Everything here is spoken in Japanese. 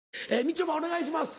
みちょぱお願いします。